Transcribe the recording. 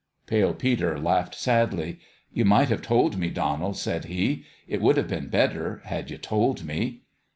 Pale Peter laughed sadly. " You might have told me, Donald," said he. "It would have been better had you told me.